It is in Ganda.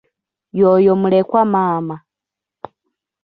Y'oyo mulekwa maama.